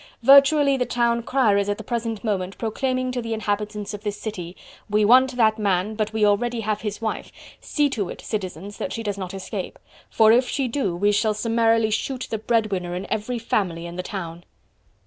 Virtually the town crier is at the present moment proclaiming to the inhabitants of this city: 'We want that man, but we already have his wife, see to it, citizens, that she does not escape! for if she do, we shall summarily shoot the breadwinner in every family in the town!'"